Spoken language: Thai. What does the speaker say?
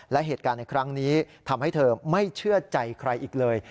และเหตุการณ์ในครั้งนี้ทำให้เธอไม่เชื่อใจใครอีกเลย